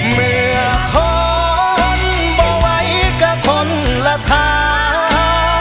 เมื่อท้อนบ่ไว้กับคนละทาง